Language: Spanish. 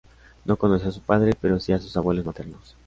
No conoció a su padre, pero sí a sus abuelos maternos.